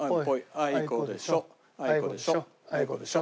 あいこでしょ。